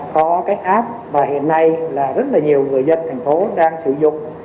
có cái app mà hiện nay là rất là nhiều người dân thành phố đang sử dụng